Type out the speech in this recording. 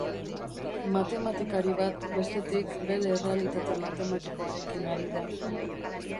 Matematikari bat, bestetik, bere errealitate matematikoarekin ari da.